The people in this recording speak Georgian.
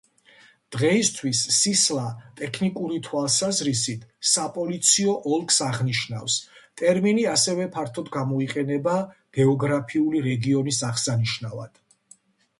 დღეისთვის სისლა ტექნიკური თვალსაზრისით „საპოლიციო ოლქს“ აღნიშნავს, ტერმინი ასევე ფართოდ გამოიყენება გეოგრაფიული რეგიონის აღსანიშნავად.